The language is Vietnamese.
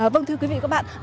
vâng thưa quý vị và các bạn